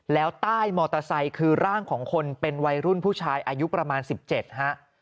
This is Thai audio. แล้วใต้มอเตอร์ไซค์คือร่างของคนเป็นวัยรุ่นผู้ชายอายุประมาณ๑๗ฮะ